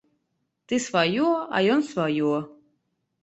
Ты сваё, а ён сваё.